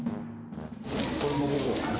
これも５個かな。